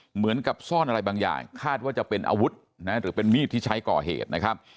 เหมือนกับซ่อนอะไรบางอย่างคาดว่าจะเป็นอาวุธนะหรือเป็นมีดที่ใช้ก่อเหตุนะครับ